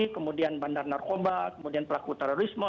kemudian bandar narkoba kemudian pelaku terorisme